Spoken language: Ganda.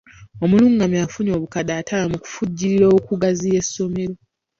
Omulungamya afunye obukadde ataano mu kuvujjirirwa okugaziya essomero.